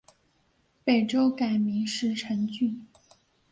北周改名石城郡。